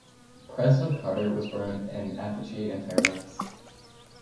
President Carter was burned in effigy in Fairbanks.